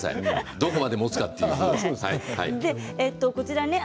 どこまでもつかというのは。